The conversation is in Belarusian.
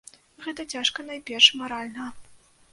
Гэта цяжка найперш маральна.